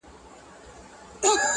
o زما د زړه ډېوه روښانه سي.